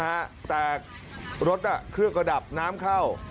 แต่รถเครื่องก็ดับน้ำเข้า